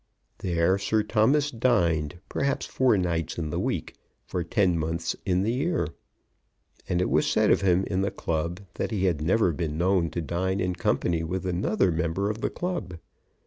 There Sir Thomas dined, perhaps four nights in the week, for ten months in the year. And it was said of him in the club that he had never been known to dine in company with another member of the club.